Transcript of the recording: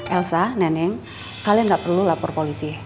elsa neneng kalian nggak perlu lapor polisi